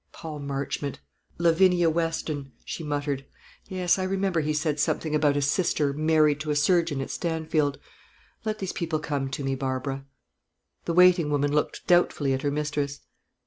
"Paul Marchmont! Lavinia Weston!" she muttered; "yes, I remember he said something about a sister married to a surgeon at Stanfield. Let these people come to me, Barbara." The waiting woman looked doubtfully at her mistress.